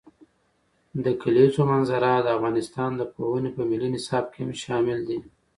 د کلیزو منظره د افغانستان د پوهنې په ملي نصاب کې هم شامل دي.